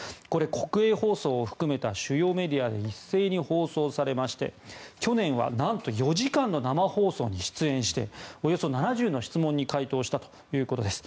国営放送を含めた主要メディアで一斉に放送されまして去年はなんと４時間の生放送に出演しておよそ７０の質問に回答したということです。